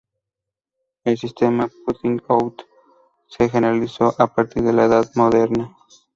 El sistema "putting-out" se generalizó a partir de la Edad Moderna.